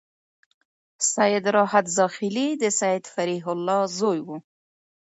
سید راحت زاخيلي د سید فریح الله زوی و.